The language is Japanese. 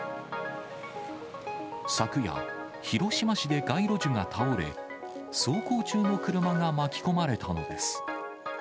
昨夜、広島市で街路樹が倒れ、走行中の車が巻き込まれたのです。